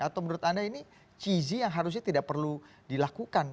atau menurut anda ini cheezy yang harusnya tidak perlu dilakukan